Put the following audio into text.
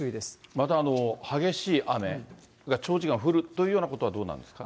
また激しい雨が長時間降るというようなことはどうなんですか？